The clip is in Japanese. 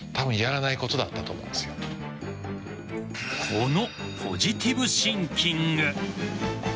このポジティブシンキング。